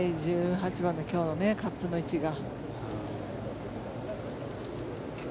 １８番の今日のカップの位置が。